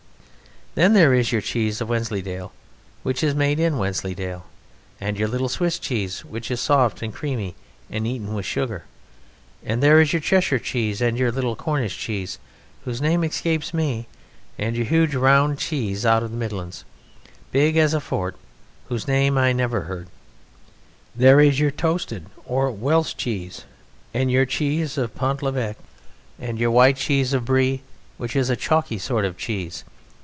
Then there is your cheese of Wensleydale, which is made in Wensleydale, and your little Swiss cheese, which is soft and creamy and eaten with sugar, and there is your Cheshire cheese and your little Cornish cheese, whose name escapes me, and your huge round cheese out of the Midlands, as big as a fort whose name I never heard. There is your toasted or Welsh cheese, and your cheese of Pont l'evêque, and your white cheese of Brie, which is a chalky sort of cheese.